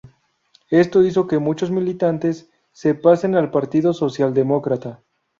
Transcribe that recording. Esto hizo que muchos militantes se pasasen al Partido Socialdemócrata.